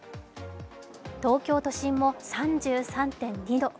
東京都心も３３．２度。